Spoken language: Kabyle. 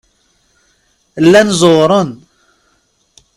Llan zewṛen.